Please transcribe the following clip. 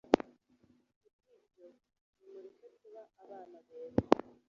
ku bw ibyo nimureke kuba abana beza